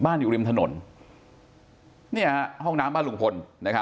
บ้านอยู่ริมถนนนี่ฮะห้องน้ำบ้านลุงพล